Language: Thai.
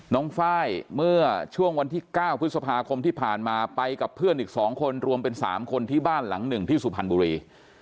ไฟล์เมื่อช่วงวันที่๙พฤษภาคมที่ผ่านมาไปกับเพื่อนอีก๒คนรวมเป็น๓คนที่บ้านหลังหนึ่งที่สุพรรณบุรี